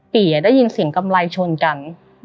ปี่ได้ยินเสียงกำไรชนกัน